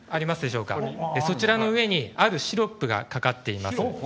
そちらの上にあるシロップがかかっています。